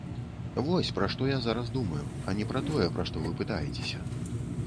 Вось, пра што я зараз думаю, а не пра тое, пра што вы пытаецеся.